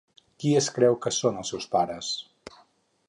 Qui es creu que són els seus pares?